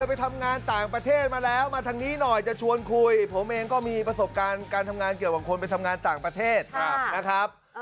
ไปทำงานต่างประเทศมาแล้วมาทางนี้หน่อยจะชวนคุยผมเองก็มีประสบการณ์การทำงานเกี่ยวกับคนไปทำงานต่างประเทศนะครับ